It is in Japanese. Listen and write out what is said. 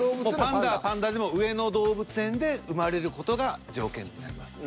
パンダはパンダでも上野動物園で生まれる事が条件になります。